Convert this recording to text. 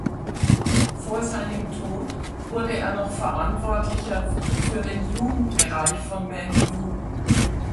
Vor seinem Tod wurde er noch Verantwortlicher für den Jugendbereich von ManU.